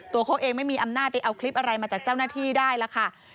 ตัวเขาเองไม่มีอำนาจไปเอาคลิปอะไรมาจากเจ้าหน้าที่ได้ล่ะค่ะ